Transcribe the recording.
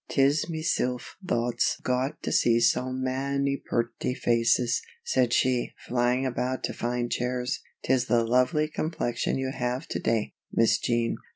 "'Tis mesilf thot's glad to see so manny purty faces," said she, flying about to find chairs. "'Tis the lovely complexion you have to day, Miss Jean.